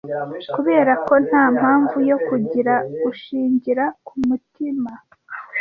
kuberako nta mpamvu yo kugira gushingira kumutima